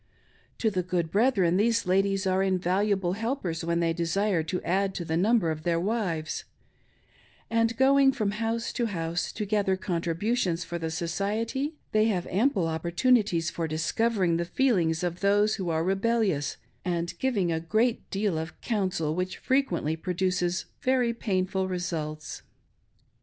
To the good brethren these ladies are invaluable helpers when they desire to add to the number of their wives ; and going from house to house to gather contributions for the Society, they have ample oppor tunities for discpvering the feelings of those who are rebellious, and giving a great deal of "counsel"' which frequently produces very painful results.